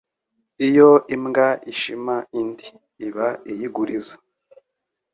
Iyo imbwa ishima indi iba iyiguriza